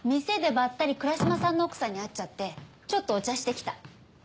店でばったり倉嶋さんの奥さんに会っちゃってちょっとお茶してきた。